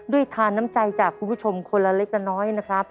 ทานน้ำใจจากคุณผู้ชมคนละเล็กละน้อยนะครับ